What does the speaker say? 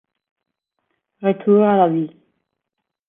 Retour à la vie